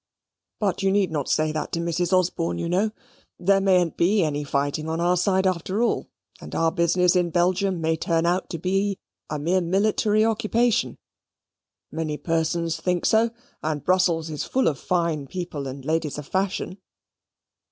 But you need not say that to Mrs. Osborne, you know. There mayn't be any fighting on our side after all, and our business in Belgium may turn out to be a mere military occupation. Many persons think so; and Brussels is full of fine people and ladies of fashion."